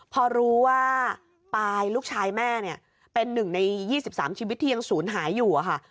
พอรู้ว่าปายลูกชายแม่เนี่ยเป็นหนึ่งใน๒๓ชีวิตที่ยังศูนย์หายอยู่ค่ะ